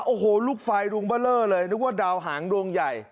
โอ้โหลูกไฟดวงเบอร์เลอร์เลยนึกว่าดาวหางดวงใหญ่